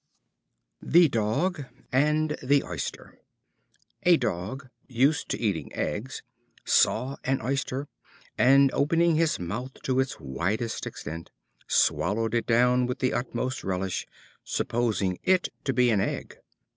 The Dog and the Oyster. A Dog, used to eating eggs, saw an Oyster, and opening his mouth to its widest extent, swallowed it down with the utmost relish, supposing it to be an egg.